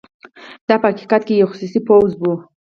دا په حقیقت کې یو خصوصي پوځ وو.